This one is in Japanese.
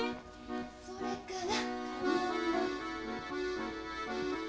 それから。